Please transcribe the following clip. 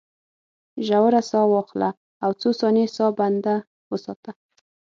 ژوره ساه واخله او څو ثانیې ساه بنده وساته.